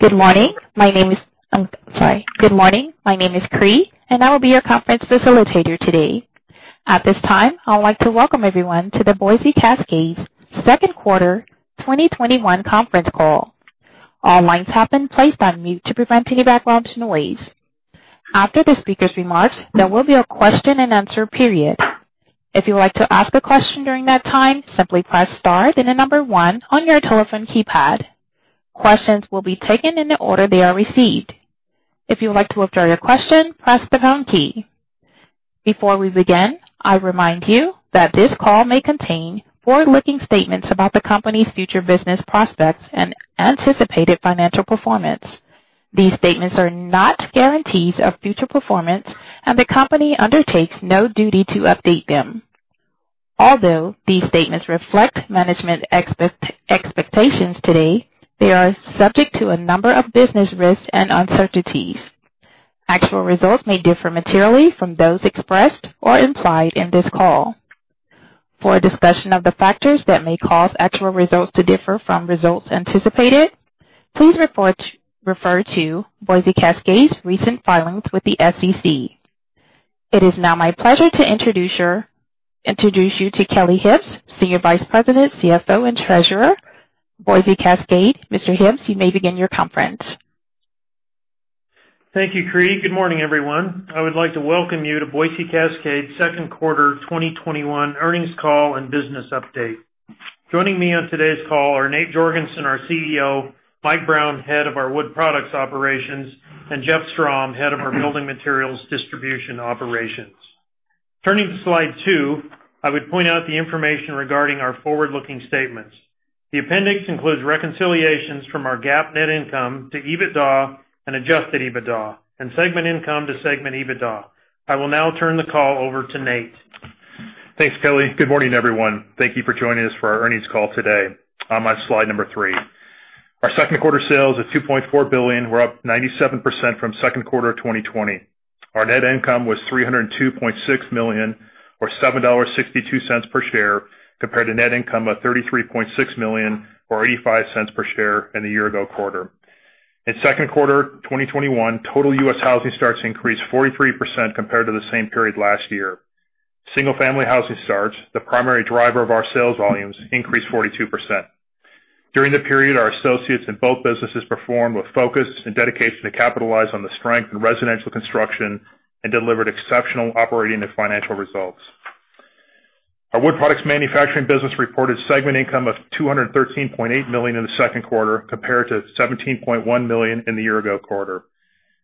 Good morning. My name is Cree, and I will be your conference facilitator today. At this time, I would like to welcome everyone to the Boise Cascade Q2 2021 conference call. All lines have been placed on mute to prevent any background noise. After the speaker's remarks, there will be a question-and-answer period. If you would like to ask a question during that time, simply press star, then the number one on your telephone keypad. Questions will be taken in the order they are received. If you would like to withdraw your question, press the pound key. Before we begin, I remind you that this call may contain forward-looking statements about the company's future business prospects and anticipated financial performance. These statements are not guarantees of future performance, and the company undertakes no duty to update them. Although these statements reflect management expectations today, they are subject to a number of business risks and uncertainties. Actual results may differ materially from those expressed or implied in this call. For a discussion of the factors that may cause actual results to differ from results anticipated, please refer to Boise Cascade's recent filings with the SEC. It is now my pleasure to introduce you to Kelly Hibbs, Senior Vice President, CFO, and Treasurer, Boise Cascade. Mr. Hibbs, you may begin your conference. Thank you, Cree. Good morning, everyone. I would like to welcome you to Boise Cascade Q2 2021 earnings call and business update. Joining me on today's call are Nate Jorgensen, our CEO, Mike Brown, head of our Wood Products operations, and Jeff Strom, head of our Building Materials Distribution operations. Turning to slide two, I would point out the information regarding our forward-looking statements. The appendix includes reconciliations from our GAAP net income to EBITDA and adjusted EBITDA and segment income to segment EBITDA. I will now turn the call over to Nate. Thanks, Kelly. Good morning, everyone. Thank you for joining us for our earnings call today. I'm on slide number three. Our Q2 sales of $2.4 billion were up 97% from Q2 2020. Our net income was $302.6 million or $7.62 per share, compared to net income of $33.6 million or $0.85 per share in the year-ago quarter. In Q2 2021, total U.S. housing starts increased 43% compared to the same period last year. Single-family housing starts, the primary driver of our sales volumes, increased 42%. During the period, our associates in both businesses performed with focus and dedication to capitalize on the strength in residential construction and delivered exceptional operating and financial results. Our Wood Products manufacturing business reported segment income of $213.8 million in the Q2, compared to $17.1 million in the year-ago quarter.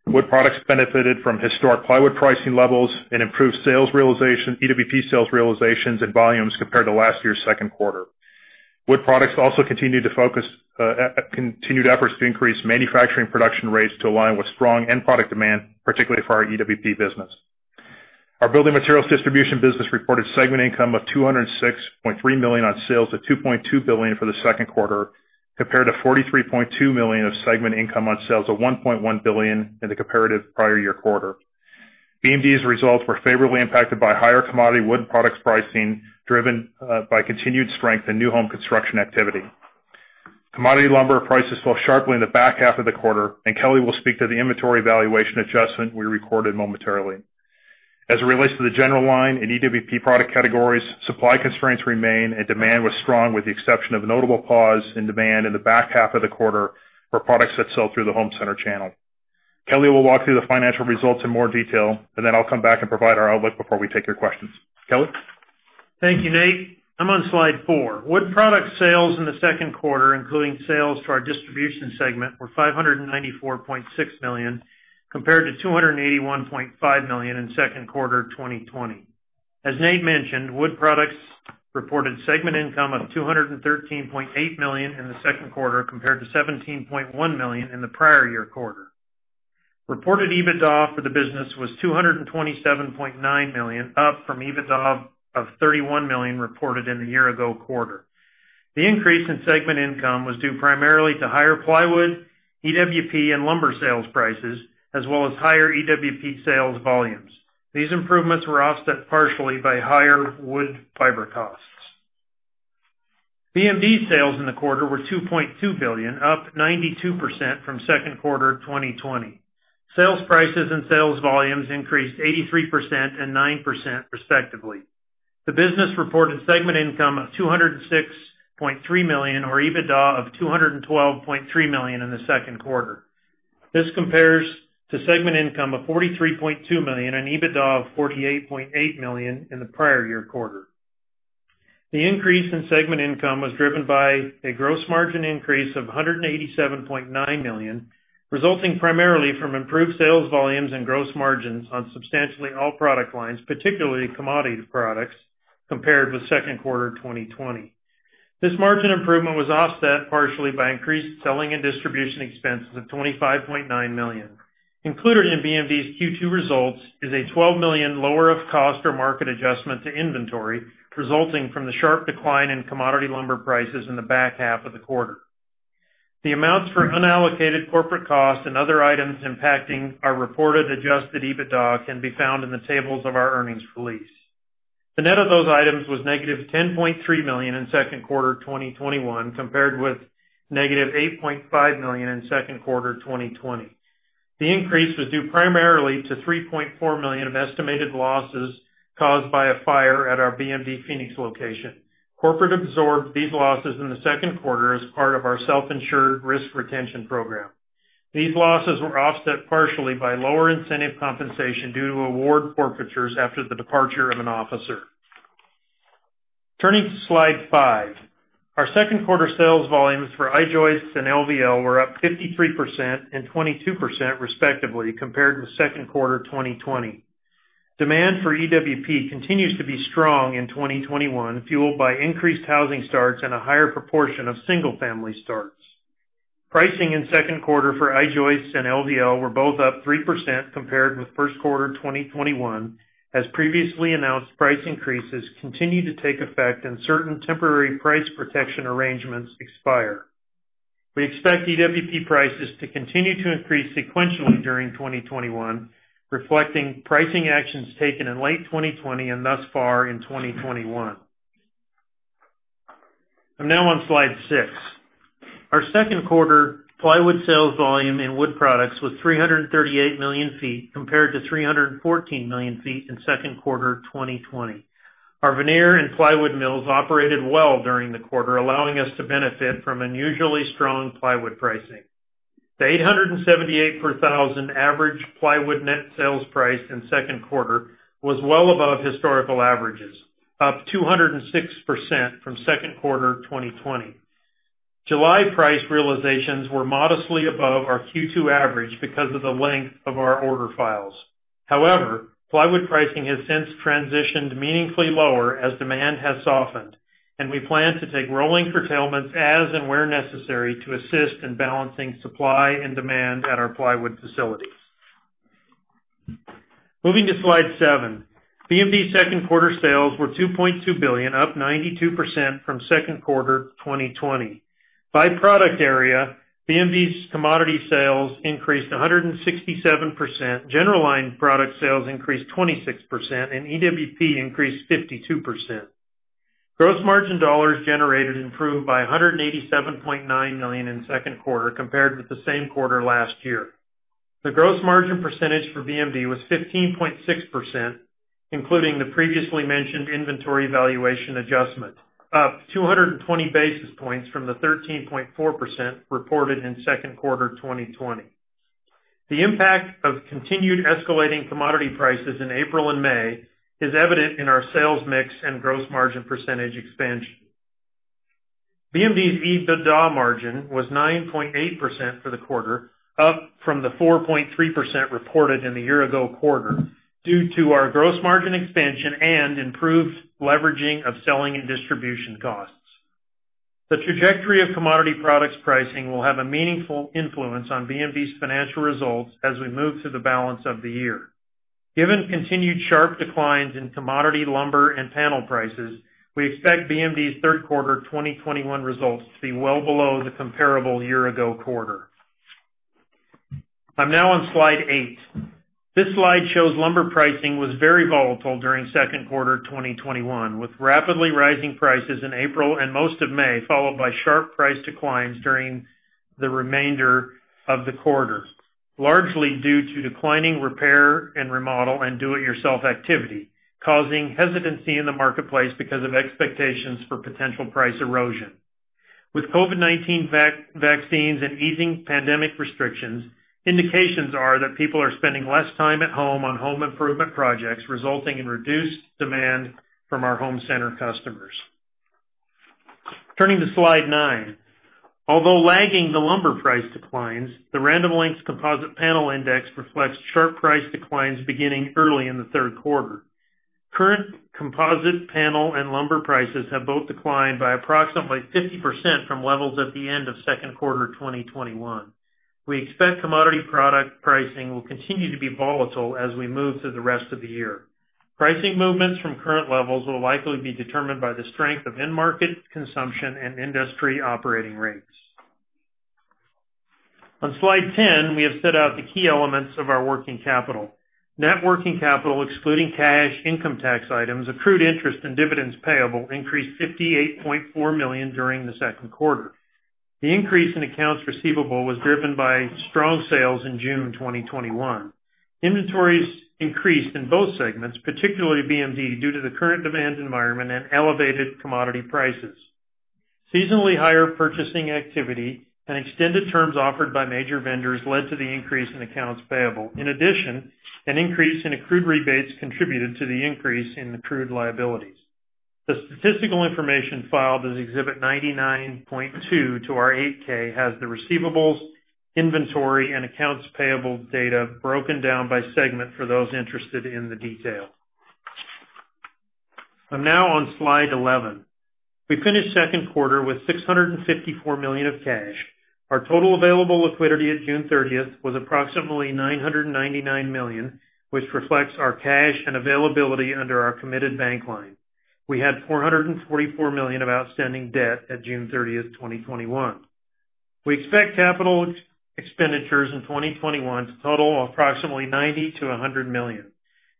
Wood Products benefited from historic plywood pricing levels and improved EWP sales realizations and volumes compared to last year's Q2. Wood Products also continued efforts to increase manufacturing production rates to align with strong end product demand, particularly for our EWP business. Our Building Materials Distribution business reported segment income of $206.3 million on sales of $2.2 billion for the Q2, compared to $43.2 million of segment income on sales of $1.1 billion in the comparative prior year quarter. BMD's results were favorably impacted by higher commodity wood products pricing, driven by continued strength in new home construction activity. Commodity lumber prices fell sharply in the back half of the quarter. Kelly will speak to the inventory valuation adjustment we recorded momentarily. As it relates to the general line in EWP product categories, supply constraints remain and demand was strong with the exception of a notable pause in demand in the back half of the quarter for products that sell through the home center channel. Kelly will walk through the financial results in more detail, and then I'll come back and provide our outlook before we take your questions. Kelly? Thank you, Nate. I'm on slide four. Wood Products sales in the Q2, including sales to our distribution segment, were $594.6 million, compared to $281.5 million in Q2 2020. As Nate mentioned, Wood Products reported segment income of $213.8 million in the Q2 compared to $17.1 million in the prior year quarter. Reported EBITDA for the business was $227.9 million, up from EBITDA of $31 million reported in the year-ago quarter. The increase in segment income was due primarily to higher plywood, EWP, and lumber sales prices, as well as higher EWP sales volumes. These improvements were offset partially by higher wood fiber costs. BMD sales in the quarter were $2.2 billion, up 92% from Q2 2020. Sales prices and sales volumes increased 83% and 9% respectively. The business reported segment income of $206.3 million or EBITDA of $212.3 million in the Q2. This compares to segment income of $43.2 million and EBITDA of $48.8 million in the prior year quarter. The increase in segment income was driven by a gross margin increase of $187.9 million, resulting primarily from improved sales volumes and gross margins on substantially all product lines, particularly commodity products, compared with Q2 2020. This margin improvement was offset partially by increased selling and distribution expenses of $25.9 million. Included in BMD's Q2 results is a $12 million lower of cost or market adjustment to inventory, resulting from the sharp decline in commodity lumber prices in the back half of the quarter. The amounts for unallocated corporate costs and other items impacting our reported adjusted EBITDA can be found in the tables of our earnings release. The net of those items was negative $10.3 million in Q2 2021 compared with negative $8.5 million in Q2 2020. The increase was due primarily to $3.4 million of estimated losses caused by a fire at our BMD Phoenix location. Corporate absorbed these losses in the Q2 as part of our self-insured risk retention program. These losses were offset partially by lower incentive compensation due to award forfeitures after the departure of an officer. Turning to slide five. Our Q2 sales volumes for I-joists and LVL were up 53% and 22% respectively compared with Q2 2020. Demand for EWP continues to be strong in 2021, fueled by increased housing starts and a higher proportion of single-family starts. Pricing in Q2 for I-joists and LVL were both up 3% compared with Q1 2021, as previously announced price increases continue to take effect and certain temporary price protection arrangements expire. We expect EWP prices to continue to increase sequentially during 2021, reflecting pricing actions taken in late 2020 and thus far in 2021. I'm now on slide six. Our Q2 plywood sales volume in Wood Products was 338 million feet compared to 314 million feet in Q2 2020. Our veneer and plywood mills operated well during the quarter, allowing us to benefit from unusually strong plywood pricing. The $878 per thousand average plywood net sales price in Q2 was well above historical averages, up 206% from Q2 2020. July price realizations were modestly above our Q2 average because of the length of our order files. plywood pricing has since transitioned meaningfully lower as demand has softened, and we plan to take rolling curtailments as and where necessary to assist in balancing supply and demand at our plywood facilities. Moving to slide seven. BMD's Q2 sales were $2.2 billion, up 92% from Q2 2020. By product area, BMD's commodity sales increased 167%, general line product sales increased 26%, and EWP increased 52%. Gross margin dollars generated improved by $187.9 million in Q2 compared with the same quarter last year. The gross margin percentage for BMD was 15.6%, including the previously mentioned inventory valuation adjustment, up 220 basis points from the 13.4% reported in Q2 2020. The impact of continued escalating commodity prices in April and May is evident in our sales mix and gross margin percentage expansion. BMD's EBITDA margin was 9.8% for the quarter, up from the 4.3% reported in the year-ago quarter, due to our gross margin expansion and improved leveraging of selling and distribution costs. The trajectory of commodity products pricing will have a meaningful influence on BMD's financial results as we move through the balance of the year. Given continued sharp declines in commodity lumber and panel prices, we expect BMD's Q3 2021 results to be well below the comparable year-ago quarter. I'm now on slide eight. This slide shows lumber pricing was very volatile during Q2 2021, with rapidly rising prices in April and most of May, followed by sharp price declines during the remainder of the quarter, largely due to declining repair and remodel and do-it-yourself activity, causing hesitancy in the marketplace because of expectations for potential price erosion. With COVID-19 vaccines and easing pandemic restrictions, indications are that people are spending less time at home-on-home improvement projects, resulting in reduced demand from our home center customers. Turning to slide nine. Although lagging the lumber price declines, the Random Lengths Composite Panel Index reflects sharp price declines beginning early in the Q3. Current composite panel and lumber prices have both declined by approximately 50% from levels at the end of Q2 2021. We expect commodity product pricing will continue to be volatile as we move through the rest of the year. Pricing movements from current levels will likely be determined by the strength of end market consumption and industry operating rates. On slide 10, we have set out the key elements of our working capital. Net working capital, excluding cash, income tax items, accrued interest, and dividends payable, increased $58.4 million during the Q2. The increase in accounts receivable was driven by strong sales in June 2021. Inventories increased in both segments, particularly BMD, due to the current demand environment and elevated commodity prices. Seasonally higher purchasing activity and extended terms offered by major vendors led to the increase in accounts payable. An increase in accrued rebates contributed to the increase in accrued liabilities. The statistical information filed as Exhibit 99.2 to our 8-K, has the receivables, inventory, and accounts payable data broken down by segment for those interested in the detail. I'm now on slide 11. We finished Q2 with $654 million of cash. Our total available liquidity at June 30th was approximately $999 million, which reflects our cash and availability under our committed bank line. We had $444 million of outstanding debt at June 30th, 2021. We expect capital expenditures in 2021 to total approximately $90 million-$100 million.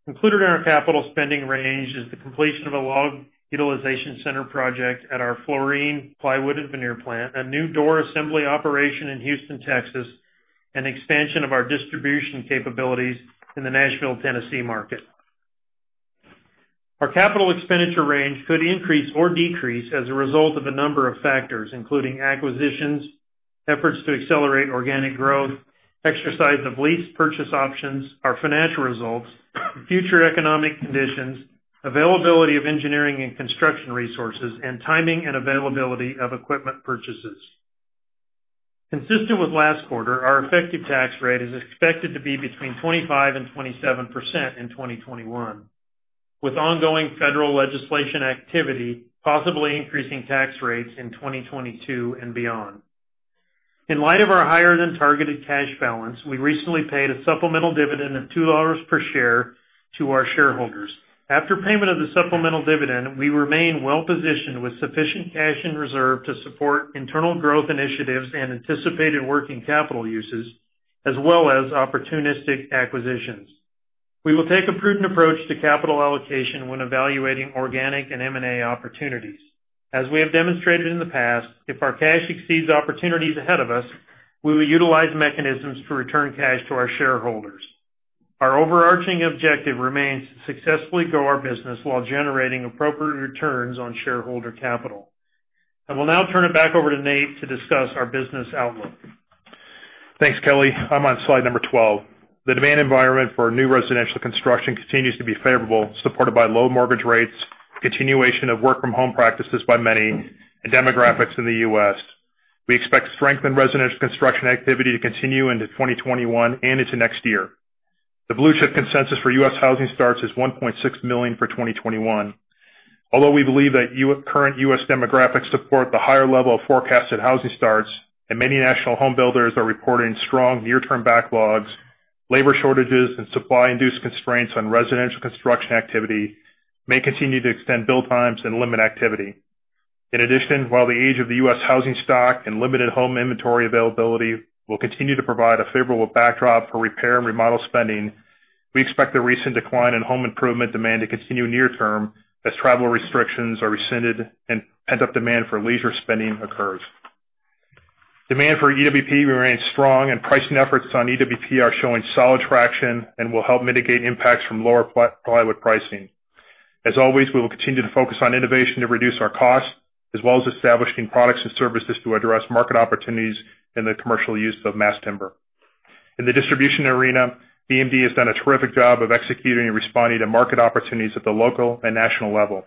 Included in our capital spending range is the completion of a log utilization center project at our Florien plywood and veneer plant, a new door assembly operation in Houston, Texas, and expansion of our distribution capabilities in the Nashville, Tennessee market. Our capital expenditure range could increase or decrease as a result of a number of factors, including acquisitions, efforts to accelerate organic growth, exercise of lease purchase options, our financial results, future economic conditions, availability of engineering and construction resources, and timing and availability of equipment purchases. Consistent with last quarter, our effective tax rate is expected to be between 25% and 27% in 2021, with ongoing federal legislation activity possibly increasing tax rates in 2022 and beyond. In light of our higher-than-targeted cash balance, we recently paid a supplemental dividend of $2 per share to our shareholders. After payment of the supplemental dividend, we remain well-positioned with sufficient cash in reserve to support internal growth initiatives and anticipated working capital uses, as well as opportunistic acquisitions. We will take a prudent approach to capital allocation when evaluating organic and M&A opportunities. As we have demonstrated in the past, if our cash exceeds opportunities ahead of us, we will utilize mechanisms to return cash to our shareholders. Our overarching objective remains to successfully grow our business while generating appropriate returns on shareholder capital. I will now turn it back over to Nate to discuss our business outlook. Thanks, Kelly. I'm on slide number 12. The demand environment for new residential construction continues to be favorable, supported by low mortgage rates, continuation of work-from-home practices by many, and demographics in the U.S. We expect strengthened residential construction activity to continue into 2021 and into next year. The Blue Chip consensus for U.S. housing starts is 1.6 million for 2021. Although we believe that current U.S. demographics support the higher level of forecasted housing starts and many national home builders are reporting strong near-term backlogs, labor shortages and supply-induced constraints on residential construction activity may continue to extend build times and limit activity. In addition, while the age of the U.S. housing stock and limited home inventory availability will continue to provide a favorable backdrop for repair and remodel spending, we expect the recent decline in home improvement demand to continue near-term as travel restrictions are rescinded and pent-up demand for leisure spending occurs. Demand for EWP remains strong, and pricing efforts on EWP are showing solid traction and will help mitigate impacts from lower plywood pricing. As always, we will continue to focus on innovation to reduce our costs, as well as establishing products and services to address market opportunities in the commercial use of mass timber. In the distribution arena, BMD has done a terrific job of executing and responding to market opportunities at the local and national level.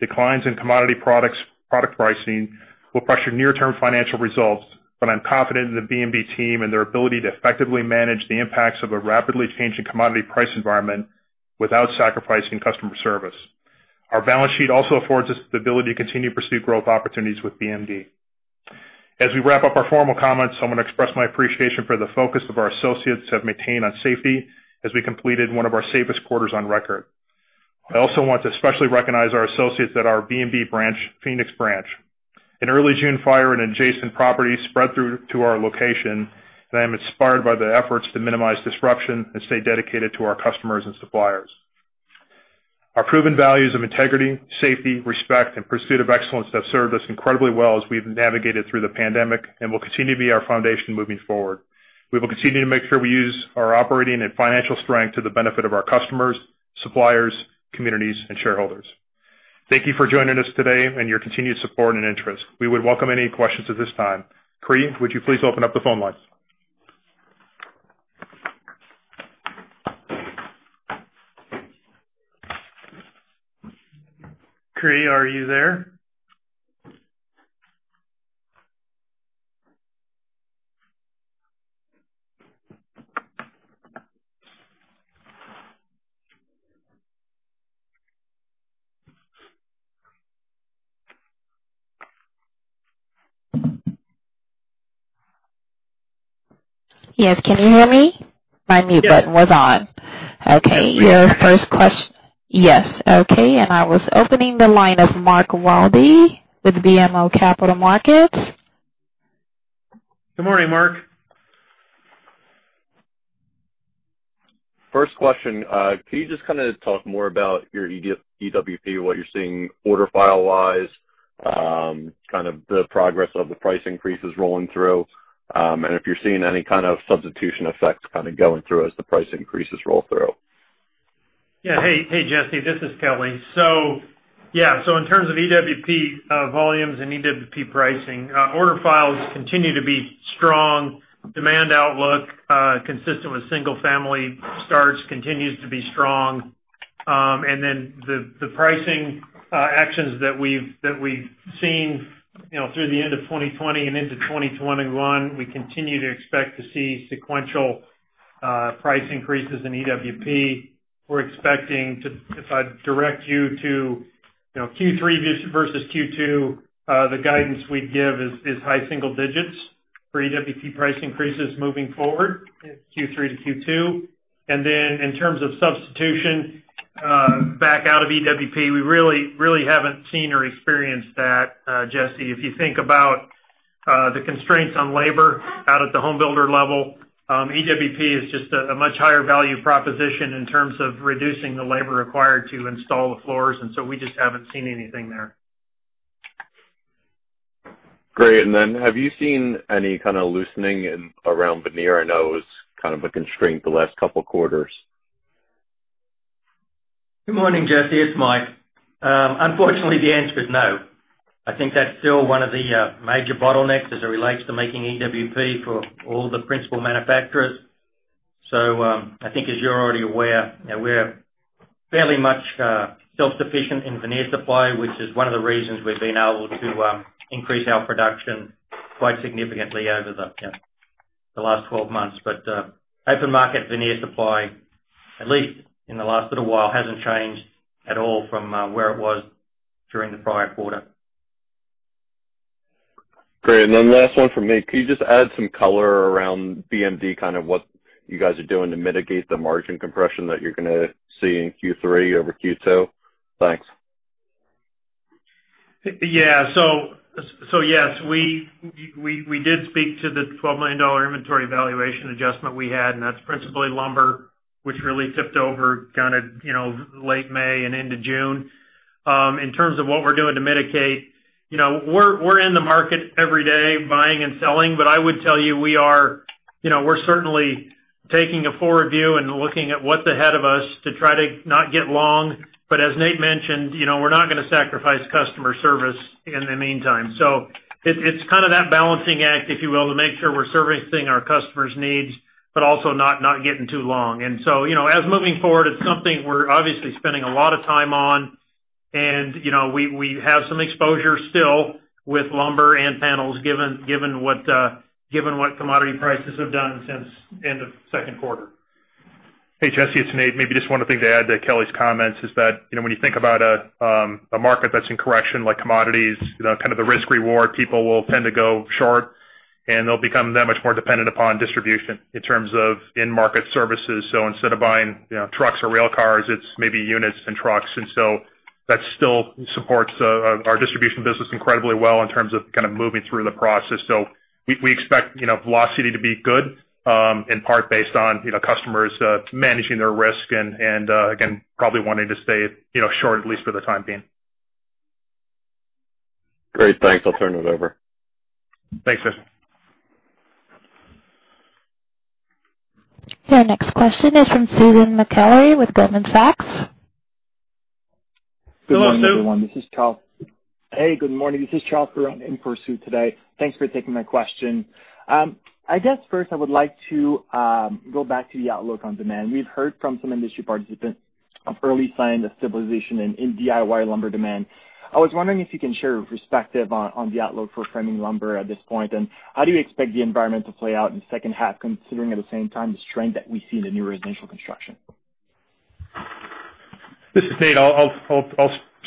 Declines in commodity product pricing will pressure near-term financial results, but I'm confident in the BMD team and their ability to effectively manage the impacts of a rapidly changing commodity price environment without sacrificing customer service. Our balance sheet also affords us the ability to continue to pursue growth opportunities with BMD. As we wrap up our formal comments, I want to express my appreciation for the focus of our associates have maintained on safety as we completed one of our safest quarters on record. I also want to especially recognize our associates at our BMD Phoenix branch. An early June fire in adjacent properties spread through to our location, and I am inspired by the efforts to minimize disruption and stay dedicated to our customers and suppliers. Our proven values of integrity, safety, respect, and pursuit of excellence have served us incredibly well as we've navigated through the pandemic and will continue to be our foundation moving forward. We will continue to make sure we use our operating and financial strength to the benefit of our customers, suppliers, communities, and shareholders. Thank you for joining us today and your continued support and interest. We would welcome any questions at this time. Cree, would you please open up the phone lines? Cree, are you there? Yes. Can you hear me? My mute button was on. Yes. Okay. Your first question. Yes. Okay. I was opening the line of Mark Wilde with BMO Capital Markets. Good morning, Mark. First question, can you just talk more about your EWP, what you're seeing order file-wise, the progress of the price increases rolling through, and if you're seeing any kind of substitution effects going through as the price increases roll through? Yeah. Hey, Mark, this is Kelly. Yeah. In terms of EWP volumes and EWP pricing, order files continue to be strong. Demand outlook, consistent with single-family starts, continues to be strong. The pricing actions that we've seen through the end of 2020 and into 2021, we continue to expect to see sequential price increases in EWP. We're expecting, if I direct you to Q3 versus Q2, the guidance we give is high-single digits for EWP price increases moving forward, Q3-Q2. In terms of substitution, back out of EWP, we really haven't seen or experienced that, just yet. If you think about the constraints on labor out at the home builder level, EWP is just a much higher value proposition in terms of reducing the labor required to install the floors, we just haven't seen anything there. Great. Have you seen any kind of loosening around veneer? I know it was kind of a constraint the last couple of quarters. Good morning, Mark. It's Mike. Unfortunately, the answer is no. I think that's still one of the major bottlenecks as it relates to making EWP for all the principal manufacturers. I think as you're already aware, we're fairly much self-sufficient in veneer supply, which is one of the reasons we've been able to increase our production quite significantly over the last 12 months. Open market veneer supply, at least in the last little while, hasn't changed at all from where it was during the prior quarter. Great. Last one from me. Can you just add some color around BMD, kind of what you guys are doing to mitigate the margin compression that you're going to see in Q3 over Q2? Thanks. Yeah. Yes, we did speak to the $12 million inventory valuation adjustment we had, and that's principally lumber, which really tipped over late May and into June. In terms of what we're doing to mitigate, we're in the market every day, buying and selling. I would tell you, we're certainly taking a forward view and looking at what's ahead of us to try to not get long. As Nate mentioned, we're not going to sacrifice customer service in the meantime. It's kind of that balancing act, if you will, to make sure we're servicing our customers' needs, but also not getting too long. As moving forward, it's something we're obviously spending a lot of time on. We have some exposure still with lumber and panels, given what commodity prices have done since end of Q2. Hey, Mark, it's Nate. Maybe just one other thing to add to Kelly's comments is that, when you think about a market that's in correction, like commodities, kind of the risk-reward, people will tend to go short, and they'll become that much more dependent upon distribution in terms of in-market services. Instead of buying trucks or rail cars, it's maybe units and trucks. That still supports our distribution business incredibly well in terms of kind of moving through the process. We expect velocity to be good, in part based on customers managing their risk and, again, probably wanting to stay short, at least for the time being. Great. Thanks. I'll turn it over. Thanks, Mark. Your next question is from Susan Maklari with Goldman Sachs. Hello, Sue. Hey, good morning. This is Charles Perron in for Sue today. Thanks for taking my question. I guess first I would like to go back to the outlook on demand. We've heard from some industry participants of early signs of stabilization in DIY lumber demand. I was wondering if you can share your perspective on the outlook for framing lumber at this point, how do you expect the environment to play out in the H2, considering at the same time the strength that we see in the new residential construction? This is Nate. I'll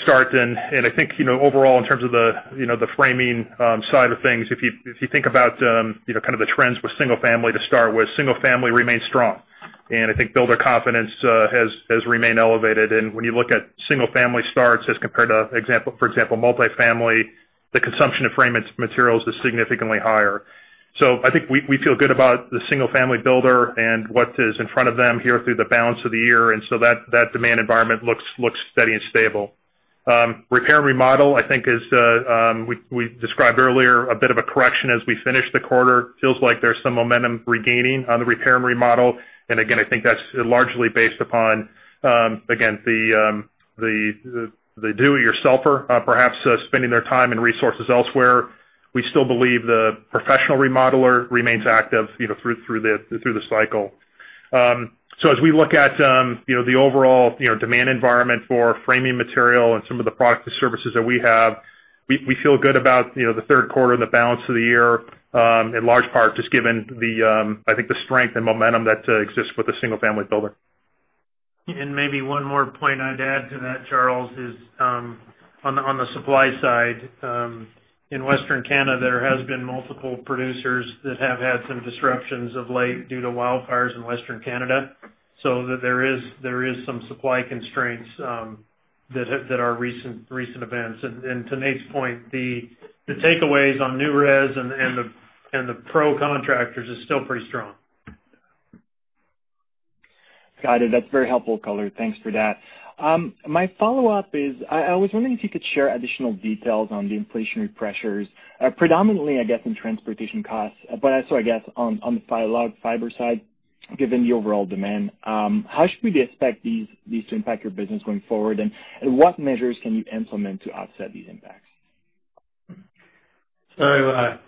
start. I think overall in terms of the framing side of things, if you think about kind of the trends with single-family to start with, single-family remains strong. I think builder confidence has remained elevated. When you look at single-family starts as compared to, for example, multi-family, the consumption of framing materials is significantly higher. I think we feel good about the single-family builder and what is in front of them here through the balance of the year. That demand environment looks steady and stable. Repair and remodel, I think is, we described earlier, a bit of a correction as we finish the quarter. Feels like there's some momentum regaining on the repair and remodel. Again, I think that's largely based upon, again, the do-it-yourselfer perhaps spending their time and resources elsewhere. We still believe the professional remodeler remains active through the cycle. As we look at the overall demand environment for framing material and some of the products and services that we have, we feel good about the Q3 and the balance of the year, in large part just given, I think, the strength and momentum that exists with the single-family builder. Maybe one more point I'd add to that, Charles Perron, is on the supply side. In Western Canada, there has been multiple producers that have had some disruptions of late due to wildfires in Western Canada. There is some supply constraints that are recent events. To Nate's point, the takeaways on new res and the pro contractors is still pretty strong. Got it. That's very helpful color. Thanks for that. My follow-up is, I was wondering if you could share additional details on the inflationary pressures, predominantly, I guess, in transportation costs, but also, I guess, on the log fiber side, given the overall demand. How should we expect these to impact your business going forward, and what measures can you implement to offset these impacts? Charles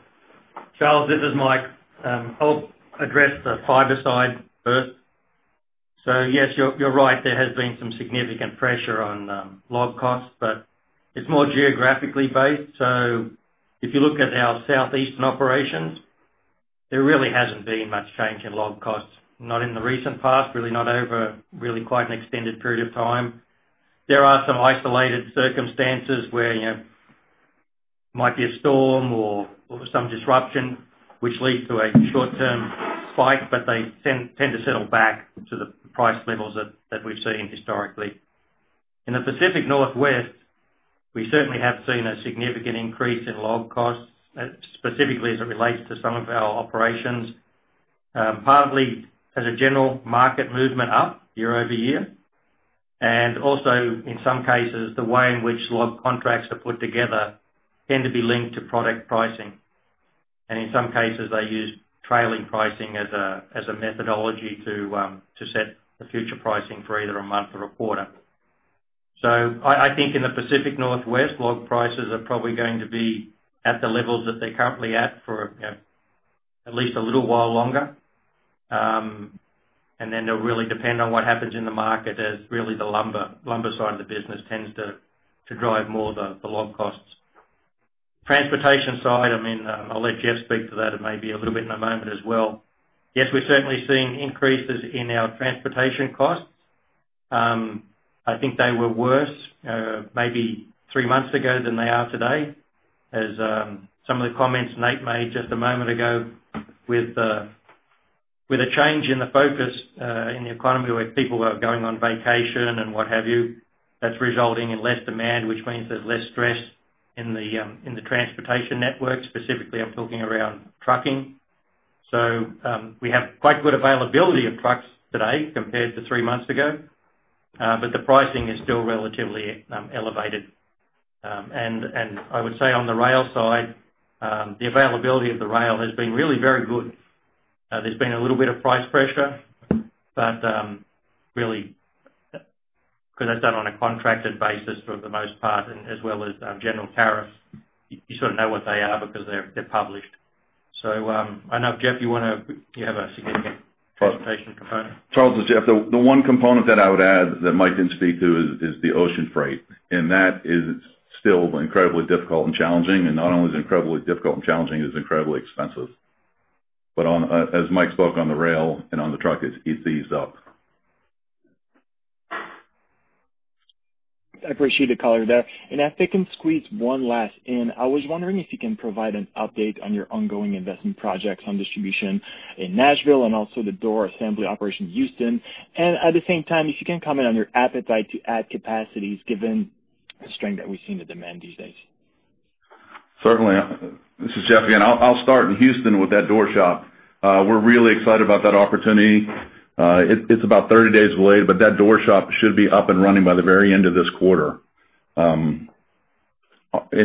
Perron, this is Mike Brown. I'll address the fiber side first. Yes, you're right. There has been some significant pressure on log costs, but it's more geographically based. If you look at our southeastern operations, there really hasn't been much change in log costs, not in the recent past, not over quite an extended period of time. There are some isolated circumstances where it might be a storm or some disruption, which leads to a short-term spike, but they tend to settle back to the price levels that we've seen historically. In the Pacific Northwest, we certainly have seen a significant increase in log costs, specifically as it relates to some of our operations. Partly as a general market movement up year-over-year, and also, in some cases, the way in which log contracts are put together tend to be linked to product pricing. In some cases, they use trailing pricing as a methodology to set the future pricing for either a month or a quarter. I think in the Pacific Northwest, log prices are probably going to be at the levels that they're currently at for at least a little while longer. Then they'll really depend on what happens in the market as really the lumber side of the business tends to drive more the log costs. Transportation side, I'll let Jeff speak to that maybe a little bit in one moment as well. Yes, we're certainly seeing increases in our transportation costs. I think they were worse maybe three months ago than they are today, as some of the comments Nate made just one moment ago with a change in the focus in the economy, where people were going on vacation and what have you. That's resulting in less demand, which means there's less stress in the transportation network. Specifically, I'm talking around trucking. We have quite good availability of trucks today compared to three months ago. The pricing is still relatively elevated. I would say on the rail side, the availability of the rail has been really very good. There's been a little bit of price pressure, really, because that's done on a contracted basis for the most part, as well as general tariffs, you sort of know what they are because they're published. I know, Jeff, you have a significant transportation component. Charles, it's Jeff. The one component that I would add that Mike didn't speak to is the ocean freight, and that is still incredibly difficult and challenging. Not only is it incredibly difficult and challenging, it's incredibly expensive. As Mike spoke on the rail and on the truck, it's eased up. I appreciate the color there. If I can squeeze one last in, I was wondering if you can provide an update on your ongoing investment projects on distribution in Nashville and also the door assembly operation in Houston. At the same time, if you can comment on your appetite to add capacities, given the strength that we've seen in demand these days. Certainly. This is Jeff again. I'll start in Houston with that door shop. We're really excited about that opportunity. It's about 30 days delayed, that door shop should be up and running by the very end of this quarter. In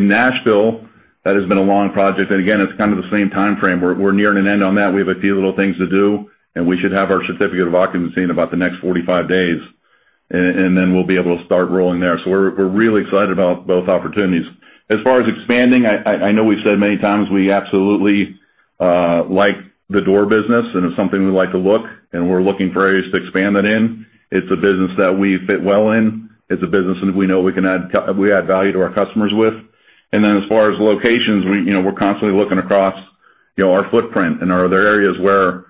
Nashville, that has been a long project. Again, it's kind of the same timeframe. We're nearing an end on that. We have a few little things to do, we should have our certificate of occupancy in about the next 45 days. Then we'll be able to start rolling there. We're really excited about both opportunities. As far as expanding, I know we've said many times, we absolutely like the door business, it's something we like to look, and we're looking for areas to expand that in. It's a business that we fit well in. It's a business that we know we add value to our customers with. As far as locations, we're constantly looking across our footprint and are there areas where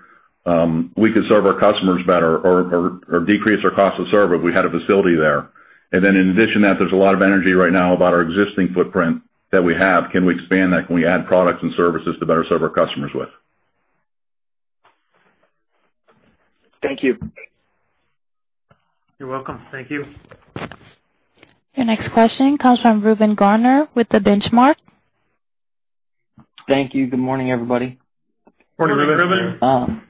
we could serve our customers better or decrease our cost to serve if we had a facility there. In addition to that, there's a lot of energy right now about our existing footprint that we have. Can we expand that? Can we add products and services to better serve our customers with? Thank you. You're welcome. Thank you. Your next question comes from Reuben Garner with The Benchmark Company. Thank you. Good morning, everybody. Morning, Reuben. Morning, Reuben.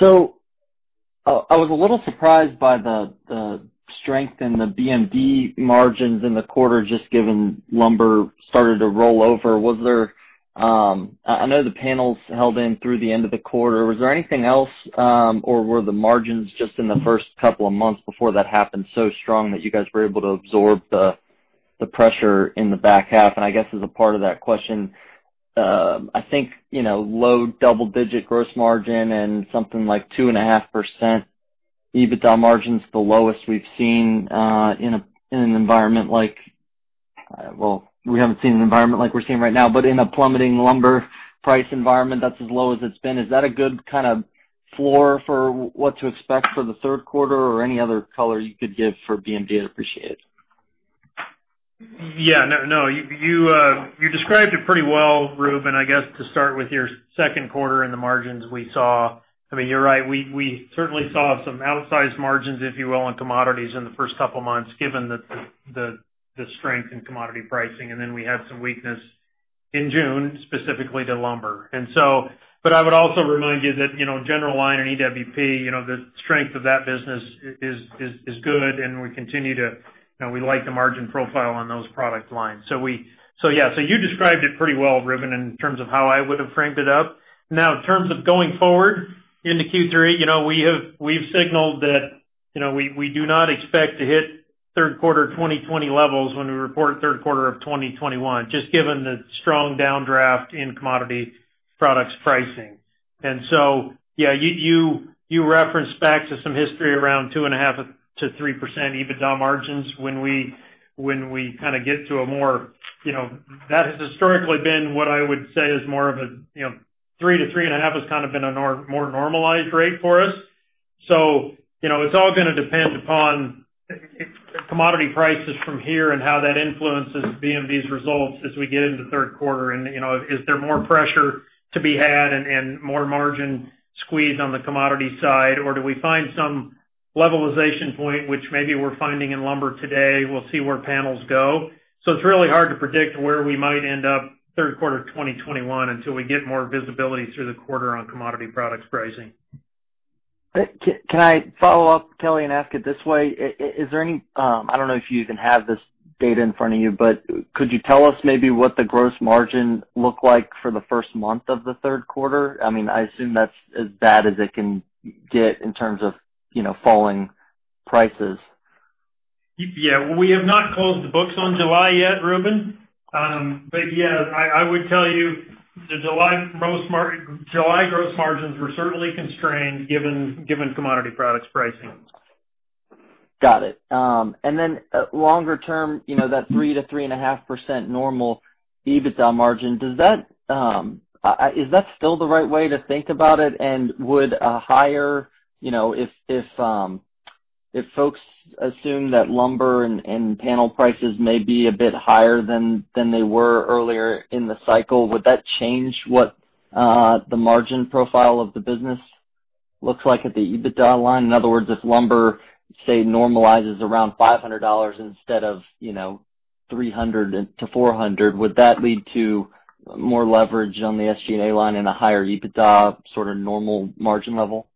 I was a little surprised by the strength in the BMD margins in the quarter, just given lumber started to roll over. I know the panels held in through the end of the quarter. Was there anything else? Were the margins just in the first two months before that happened so strong that you guys were able to absorb the pressure in the back half? I guess as a part of that question, I think, low double-digit gross margin and something like 2.5% EBITDA margin's the lowest we've seen in an environment. Well, we haven't seen an environment like we're seeing right now, but in a plummeting lumber price environment that's as low as it's been. Is that a good kind of floor for what to expect for the Q3 or any other color you could give for BMD is appreciated. Yeah. No, you described it pretty well, Reuben. I guess to start with your Q2 and the margins we saw. You're right, we certainly saw some outsized margins, if you will, on commodities in the first couple of months, given the strength in commodity pricing. We had some weakness in June, specifically to lumber. I would also remind you that general line and EWP, the strength of that business is good, and we like the margin profile on those product lines. Yeah, you described it pretty well, Reuben, in terms of how I would have framed it up. Now, in terms of going forward into Q3, we've signaled that we do not expect to hit Q3 2020 levels when we report Q3 of 2021, just given the strong downdraft in commodity products pricing. Yeah, you referenced back to some history around 2.5%-3% EBITDA margins. That has historically been what I would say is more of a 3%-3.5% has kind of been a more normalized rate for us. It's all going to depend upon commodity prices from here and how that influences BMD's results as we get into the Q3. Is there more pressure to be had and more margin squeeze on the commodity side? Do we find some levelization point, which maybe we're finding in lumber today? We'll see where panels go. It's really hard to predict where we might end up Q3 2021 until we get more visibility through the quarter on commodity products pricing. Can I follow up, Kelly, and ask it this way? I don't know if you even have this data in front of you, but could you tell us maybe what the gross margin looked like for the first month of the Q3? I assume that's as bad as it can get in terms of falling prices. Yeah. We have not closed the books on July yet, Reuben. Yeah, I would tell you the July gross margins were certainly constrained given commodity products pricing. Got it. Longer-term, that 3%-3.5% normal EBITDA margin, is that still the right way to think about it? If folks assume that lumber and panel prices may be a bit higher than they were earlier in the cycle, would that change what the margin profile of the business looks like at the EBITDA line? In other words, if lumber, say, normalizes around $500 instead of $300-$400, would that lead to more leverage on the SG&A line and a higher EBITDA sort of normal margin level?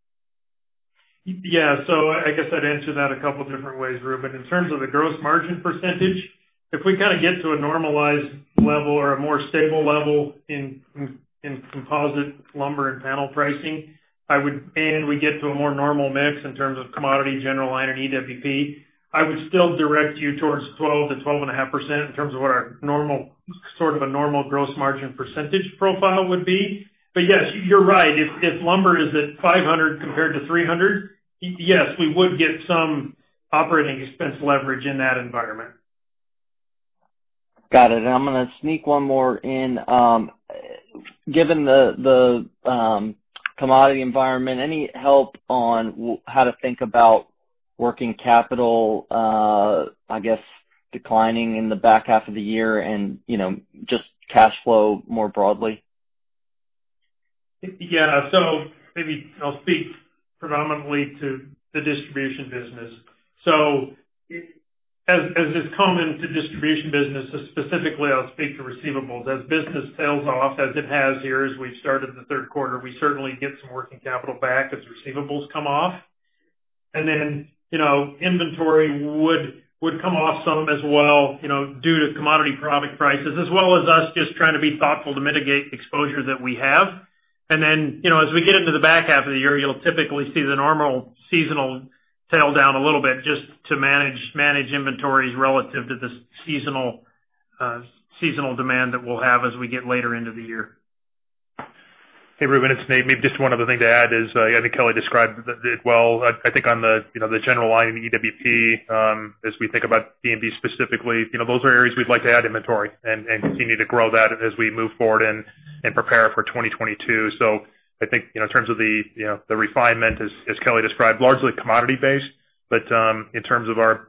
I guess I'd answer that a couple different ways, Reuben. In terms of the gross margin percentage, if we kind of get to a normalized level or a more stable level in composite lumber and panel pricing, and we get to a more normal mix in terms of commodity, general line, and EWP, I would still direct you towards 12%-12.5% in terms of what our sort of a normal gross margin percentage profile would be. Yes, you're right. If lumber is at $500 compared to $300, yes, we would get some operating expense leverage in that environment. Got it. I'm going to sneak one more in. Given the commodity environment, any help on how to think about working capital, I guess, declining in the back half of the year and just cash flow more broadly? Yeah. Maybe I'll speak predominantly to the distribution business. As is common to distribution business, specifically I'll speak to receivables. As business tails off, as it has here, as we've started the Q3, we certainly get some working capital back as receivables come off. Inventory would come off some as well due to commodity product prices, as well as us just trying to be thoughtful to mitigate exposure that we have. As we get into the back half of the year, you'll typically see the normal seasonal tail down a little bit just to manage inventories relative to the seasonal demand that we'll have as we get later into the year. Hey, Reuben, it's Nate. Maybe just one other thing to add is, I think Kelly described it well. I think on the general line EWP, as we think about BMD specifically, those are areas we'd like to add inventory and continue to grow that as we move forward and prepare for 2022. I think, in terms of the refinement, as Kelly described, largely commodity-based. In terms of our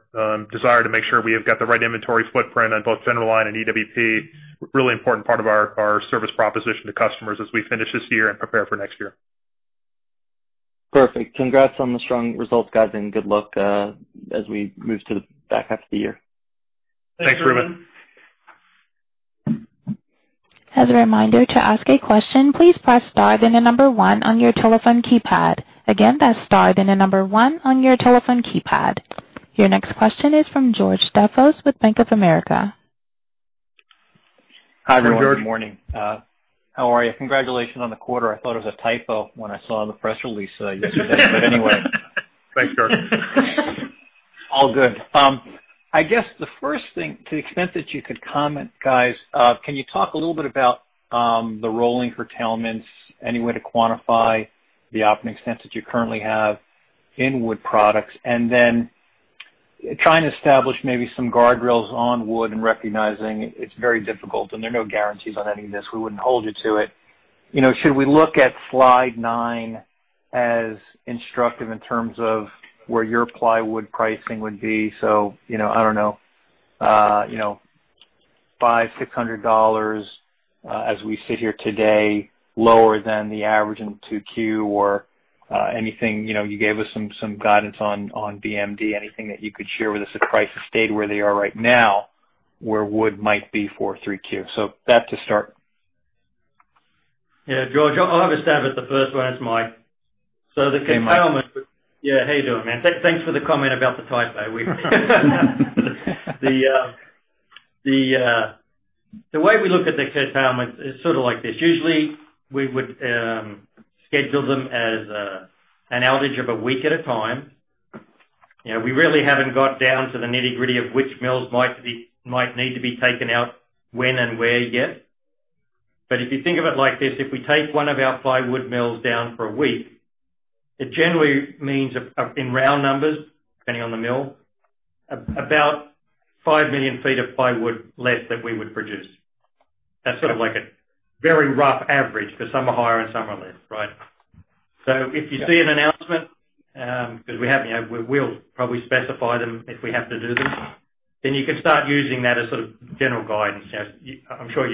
desire to make sure we have got the right inventory footprint on both general line and EWP, really important part of our service proposition to customers as we finish this year and prepare for next year. Perfect. Congrats on the strong results, guys, and good luck as we move to the back half of the year. Thanks, Reuben. Thanks, Reuben. As a reminder, to ask a question, please press star then the number one on your telephone keypad. Again, that's star then the number one on your telephone keypad. Your next question is from George Staphos with Bank of America. Hi, George. Good morning. How are you? Congratulations on the quarter. I thought it was a typo when I saw the press release yesterday. Anyway. Thanks, George. All good. I guess the first thing, to the extent that you could comment, guys, can you talk a little bit about the rolling curtailments? Any way to quantify the extent that you currently have in Wood Products? Then trying to establish maybe some guardrails on wood and recognizing it's very difficult and there are no guarantees on any of this, we wouldn't hold you to it. Should we look at slide nine as instructive in terms of where your plywood pricing would be? I don't know, $500, $600 as we sit here today, lower than the average in 2Q or anything? You gave us some guidance on BMD. Anything that you could share with us if prices stayed where they are right now, where wood might be for 3Q? That to start. Yeah, George, I'll have a stab at the first one. It's Mike. Hey, Mike. How you doing, man? Thanks for the comment about the typo. The way we look at the curtailment is sort of like this. Usually we would schedule them as an outage of a week at a time. We really haven't got down to the nitty-gritty of which mills might need to be taken out when and where yet. If you think of it like this, if we take one of our plywood mills down for a week, it generally means in round numbers, depending on the mill, about 5 million feet of plywood less that we would produce. That's sort of like a very rough average, because some are higher and some are less, right? If you see an announcement, because we will probably specify them if we have to do them, then you can start using that as sort of general guidance. I know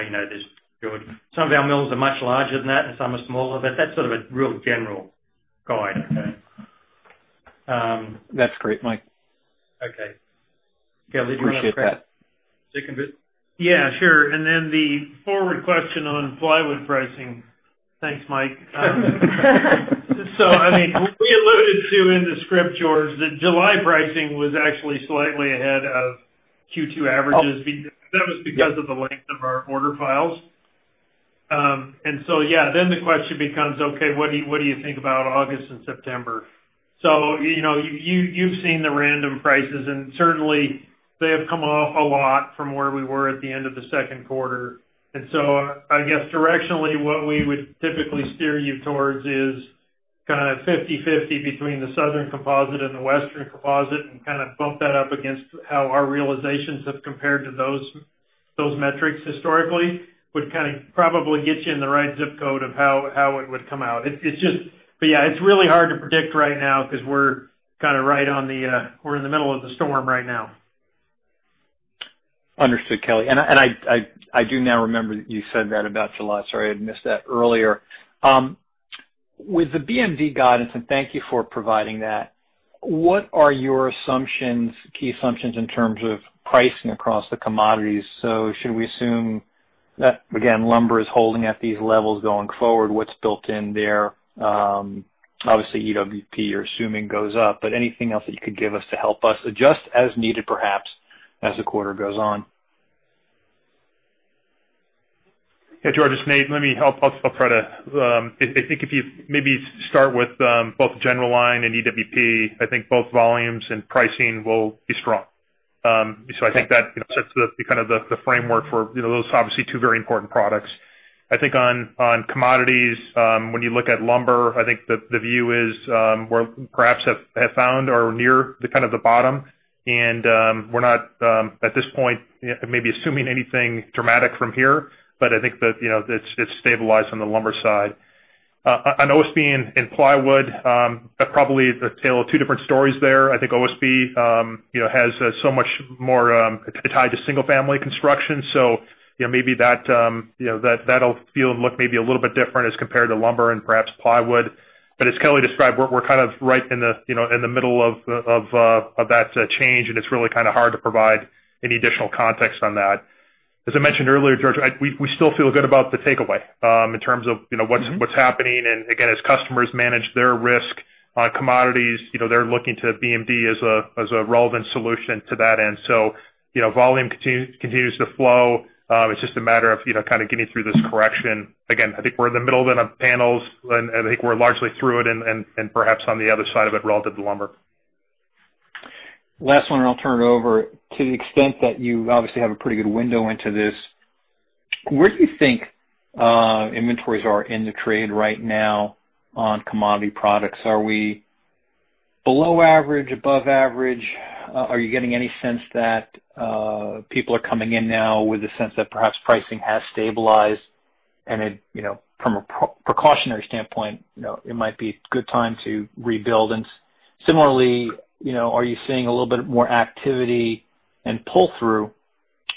you know this, George. Some of our mills are much larger than that, and some are smaller, but that's sort of a real general guide. Okay? That's great, Mike. Okay. Appreciate that. Kelly, do you want to take a bit? Yeah, sure. The forward question on plywood pricing. Thanks, Mike Brown. We alluded to in the script, George Staphos, that July pricing was actually slightly ahead of Q2 averages. That was because of the length of our order files. Yeah. The question becomes, okay, what do you think about August and September? You've seen the random prices, and certainly they have come off a lot from where we were at the end of the Q2. I guess directionally, what we would typically steer you towards is kind of 50/50 between the Southern composite and the Western composite and kind of bump that up against how our realizations have compared to those metrics historically, would kind of probably get you in the right ZIP code of how it would come out. Yeah, it's really hard to predict right now because we're in the middle of the storm right now. Understood, Kelly. I do now remember that you said that about July. Sorry I had missed that earlier. With the BMD guidance, and thank you for providing that, what are your key assumptions in terms of pricing across the commodities? Should we assume that, again, lumber is holding at these levels going forward? What's built in there? Obviously, EWP, you're assuming goes up. Anything else that you could give us to help us adjust as needed perhaps, as the quarter goes on? Yeah, George Staphos, it's Nate Jorgensen. Let me help. I think if you maybe start with both general line and EWP, I think both volumes and pricing will be strong. I think that sets the kind of the framework for those obviously two very important products. I think on commodities, when you look at lumber, I think the view is we perhaps have found or near the kind of the bottom. We're not, at this point, maybe assuming anything dramatic from here, but I think that it's stabilized on the lumber side. On OSB and plywood, probably a tale of two different stories there. I think OSB is tied to single-family construction, so maybe that'll feel and look maybe a little bit different as compared to Lumber and perhaps plywood. As Kelly described, we're kind of right in the middle of that change, and it's really kind of hard to provide any additional context on that. As I mentioned earlier, George, we still feel good about the takeaway in terms of what's happening. Again, as customers manage their risk on commodities, they're looking to BMD as a relevant solution to that end. Volume continues to flow. It's just a matter of kind of getting through this correction. Again, I think we're in the middle of it on panels, and I think we're largely through it and perhaps on the other side of it relative to lumber. Last one, I'll turn it over. To the extent that you obviously have a pretty good window into this, where do you think inventories are in the trade right now on commodity products? Are we below average, above average? Are you getting any sense that people are coming in now with a sense that perhaps pricing has stabilized and from a precautionary standpoint, it might be a good time to rebuild? Similarly, are you seeing a little bit more activity and pull-through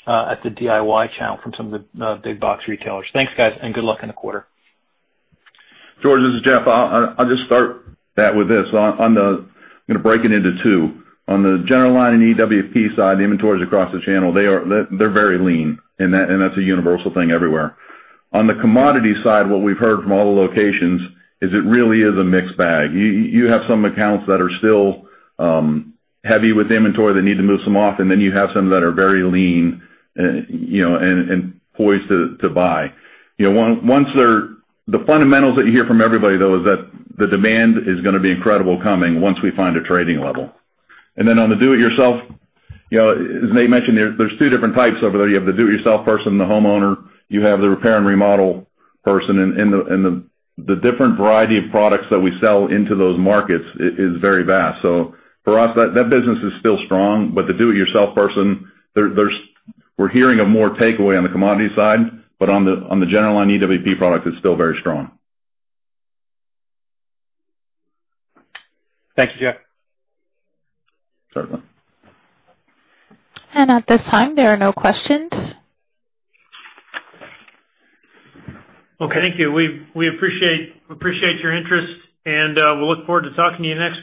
at the DIY channel from some of the big box retailers? Thanks, guys, good luck in the quarter. George, this is Jeff. I'll just start that with this. I'm going to break it into two. On the general line and EWP side, the inventories across the channel, they're very lean, and that's a universal thing everywhere. On the commodity side, what we've heard from all the locations is it really is a mixed bag. You have some accounts that are still heavy with inventory that need to move some off, and then you have some that are very lean and poised to buy. The fundamentals that you hear from everybody, though, is that the demand is going to be incredible coming once we find a trading level. Then on the do-it-yourself, as Nate mentioned, there's two different types over there. You have the do-it-yourself person, the homeowner, you have the repair and remodel person. The different variety of products that we sell into those markets is very vast. For us, that business is still strong. The do-it-yourself person, we're hearing of more takeaway on the commodity side. On the general line EWP product, it's still very strong. Thanks, Jeff. Sure. At this time, there are no questions. Okay, thank you. We appreciate your interest, and we'll look forward to talking to you next quarter.